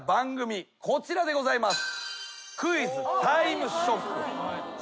こちらでございます。